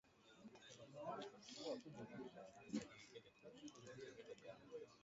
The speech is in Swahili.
Uidhinishaji huo mpya unabatilisha uamuzi wa Rais wa zamani wa Marekani